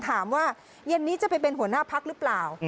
ถามว่าเย็นนี้จะไปเป็นหัวหน้าพักหรือเปล่า